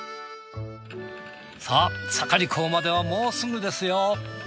さぁ盛港まではもうすぐですよ。